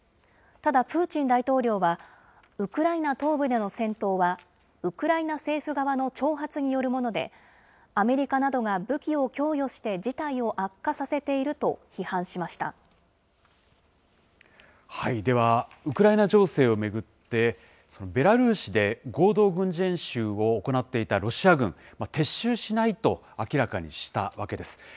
ただ、プーチン大統領は、ウクライナ東部での戦闘は、ウクライナ政府側の挑発によるもので、アメリカなどが武器を供与して事態を悪化させていると批判しましでは、ウクライナ情勢を巡って、ベラルーシで合同軍事演習を行っていたロシア軍、撤収しないと明らかにしたわけです。